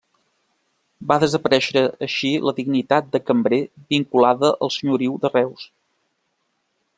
Va desaparèixer així la dignitat de Cambrer vinculada al senyoriu de Reus.